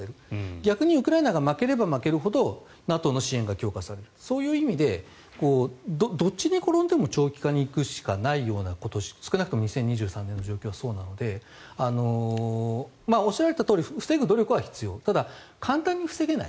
逆にウクライナが負ければ負けるほどＮＡＴＯの支援が強化されるそういう意味でどっちに転んでも長期化に行くしかない少なくとも２０２３年の状況はそうなのでおっしゃられたとおり防ぐ努力は必要ただ、簡単に防げない。